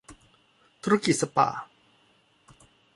ธุรกิจสปา